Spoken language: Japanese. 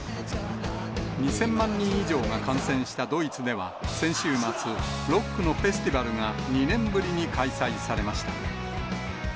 ２０００万人以上が感染したドイツでは、先週末、ロックのフェスティバルが２年ぶりに開催されました。